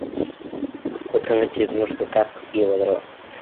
خو څنگه چې زموږ پېکپ يې ودراوه.